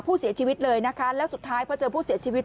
ผู้เสียชีวิตเลยนะคะแล้วสุดท้ายพอเจอผู้เสียชีวิต